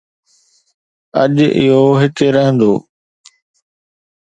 اڄ، اهو هتي رهندو